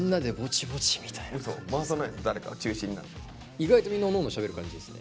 意外とみんなおのおのしゃべる感じですね。